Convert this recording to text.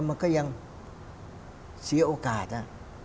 มันก็ยังเสียโอกาส